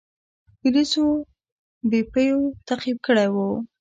پولیسو بیپو تعقیب کړی و.